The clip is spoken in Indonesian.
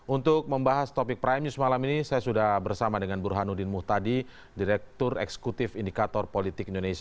untuk membahas topik prime news malam ini saya sudah bersama dengan burhanuddin muhtadi direktur eksekutif indikator politik indonesia